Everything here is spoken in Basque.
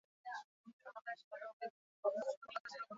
Suak kalte txikiak egin ditu arrapala mekanikoaren zati batean.